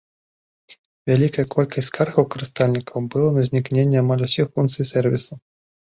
Вялікая колькасць скаргаў карыстальнікаў было на знікненне амаль усіх функцый сэрвісу.